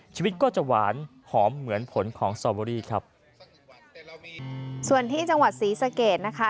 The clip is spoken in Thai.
ชีวิตก็จะหวานหอมเหมือนผลของสตอเบอรี่ครับส่วนที่จังหวัดศรีสะเกดนะคะ